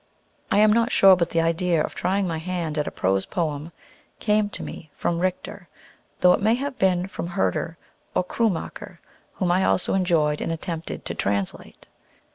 I am not sure but the idea of trying my hand at a "prose poem" came to me from Richter, though it may have been from Herder or Krummacher, whom I also enjoyed and attempted to translate.